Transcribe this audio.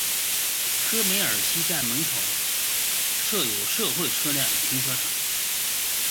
科梅尔西站门口设有社会车辆停车场。